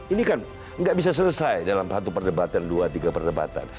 ini kan nggak bisa selesai dalam satu perdebatan dua tiga perdebatan